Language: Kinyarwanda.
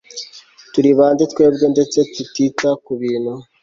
turi bande, twebwe ndetse tutita kubintu